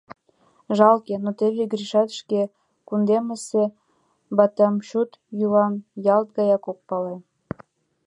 Жалке, но теве Гришат шке кундемысе батаммчуд йӱлам ялт гаяк ок пале.